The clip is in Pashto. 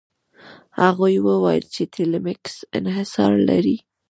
هغوی وویل چې ټیلمکس انحصار لري.